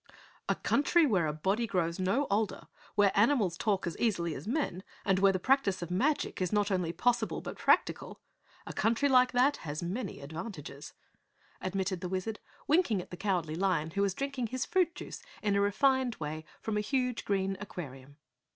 "A country where a body grows no older, where animals talk as easily as men and where the practice of magic is not only possible but practical a country like that has many advantages," admitted the Wizard, winking at the Cowardly Lion who was drinking his fruit juice in a refined way from a huge, green aquarium.